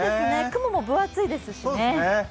雲も分厚いですしね。